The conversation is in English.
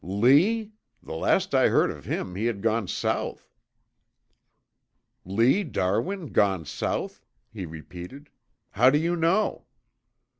"Lee? The last I heard of him he had gone South." "Lee Darwin gone South?" he repeated. "How do you know?"